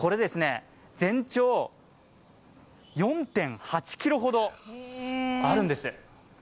全長４．８ｋｍほどあるんです。